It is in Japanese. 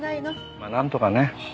まあなんとかね。